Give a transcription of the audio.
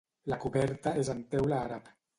La coberta és en teula àrab.